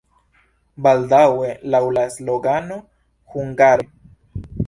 Baldaŭe laŭ la slogano "Hungaroj!